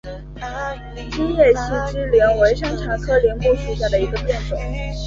金叶细枝柃为山茶科柃木属下的一个变种。